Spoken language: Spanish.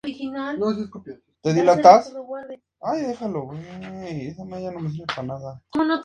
Suelen comprarla a compañías independientes o a alguna de las empresas arriba mencionadas.